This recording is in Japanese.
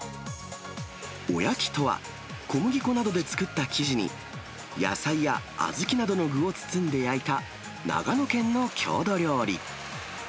おやきとは、小麦粉などで作った生地に、野菜や小豆などの具を包んで焼いた、長野県の郷土料理。